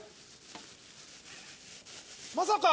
まさか。